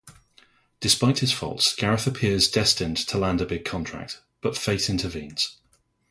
Despite his faults, Gareth appears destined to land a big contract, but fate intervenes.